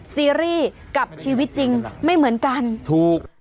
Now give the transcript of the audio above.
ซีรีส์กับชีวิตจริงไม่เหมือนกันถูก